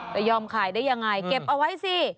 จะยอมขายได้ยังไงเก็บเอาไว้สิ